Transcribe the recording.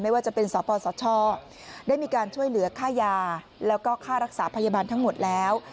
ว่าจะเป็นสปสชได้มีการช่วยเหลือค่ายาแล้วก็ค่ารักษาพยาบาลทั้งหมดแล้ว